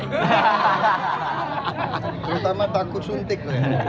terutama takut suntik